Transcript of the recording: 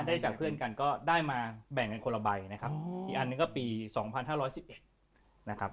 ได้จากเพื่อนกันก็ได้มาแบ่งกันคนละใบนะครับอีกอันนึงก็ปีสองพันห้าร้อยสิบเอ็ดนะครับ